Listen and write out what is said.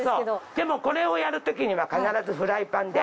でもこれをやるときには必ずフライパンで。